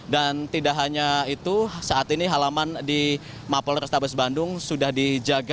dan tidak hanya itu saat ini halaman di polres tabas bandung sudah dijaga